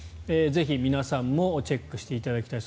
ぜひ皆さんもチェックしていただきたい。